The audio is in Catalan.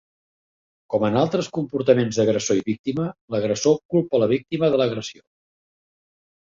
Com en altres comportaments d'agressor i víctima, l'agressor culpa la víctima de l'agressió.